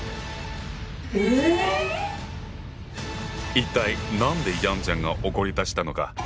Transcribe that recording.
一体何でヤンちゃんが怒りだしたのか？